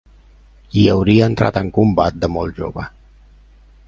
Hi hauria entrat en combat de molt jove.